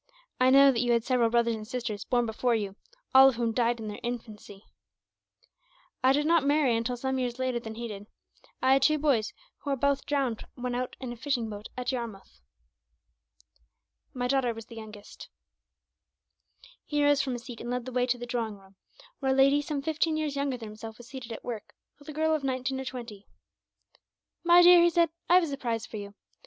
I know that you had several brothers and sisters born before you, all of whom died in their infancy. I did not marry until some years later than he did. I had two boys, who were both drowned when out in a fishing boat at Yarmouth. My daughter was the youngest." He rose from his seat and led the way to the drawing room, where a lady some fifteen years younger than himself was seated at work, with a girl of nineteen or twenty. "My dear," he said, "I have a surprise for you.